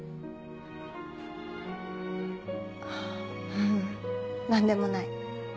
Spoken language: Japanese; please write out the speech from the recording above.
ううん何でもない。